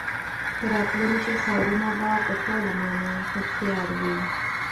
د راتلونکي ښارونه به په ټوله مانا هوښیار وي.